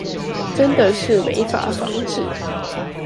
真的是沒法防止